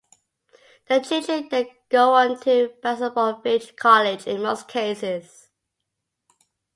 The children then go on to Bassingbourn Village College in most cases.